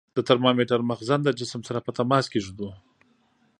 د ترمامتر مخزن د جسم سره په تماس کې ږدو.